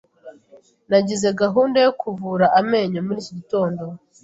Nagize gahunda yo kuvura amenyo muri iki gitondo.